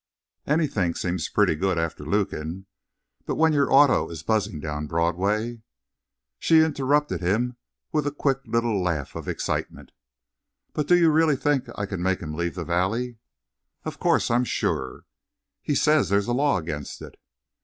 "Anything seems pretty good after Lukin. But when your auto is buzzing down Broadway " She interrupted him with a quick little laugh of excitement. "But do you really think I can make him leave the valley?" "Of course I'm sure." "He says there's a law against it."